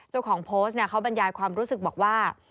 เจ้าของโพสต์เขาบรรยายความรู้สึกบอกว่า